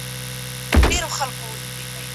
راپور باید ولیکل شي.